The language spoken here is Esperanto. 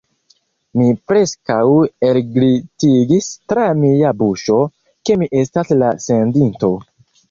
Mi preskaŭ elglitigis tra mia buŝo, ke mi estas la sendinto.